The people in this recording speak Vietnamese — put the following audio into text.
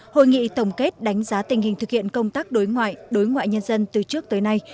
hội nghị tổng kết đánh giá tình hình thực hiện công tác đối ngoại đối ngoại nhân dân từ trước tới nay